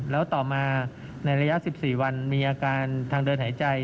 แล้วต่อมาในระยะ๑๔วันมีอาการทางเดินหายใจ